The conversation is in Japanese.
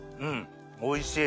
おいしい。